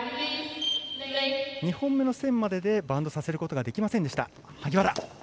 ２本目の線まででバウンドさせることができませんでした。